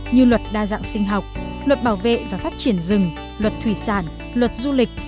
như luật đa dạng sinh học luật bảo vệ và phát triển rừng luật thủy sản luật du lịch